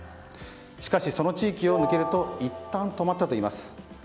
しかし、その地域を抜けるといったん止まったといいます。